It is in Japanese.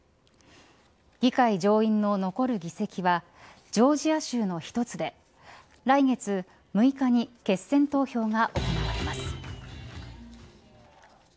議会上院の残る議席はジョージア州の１つで来月６日に決選投票が行われます。